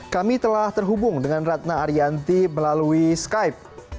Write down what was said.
kami telah terhubung dengan ratna arianti melalui skype